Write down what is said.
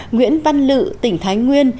nguyễn văn lự tỉnh thái nguyên